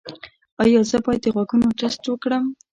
ایا زه باید د غوږونو ټسټ وکړم؟